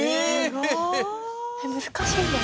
難しいんだよね？